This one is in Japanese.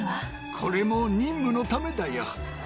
これも任務のためだよ。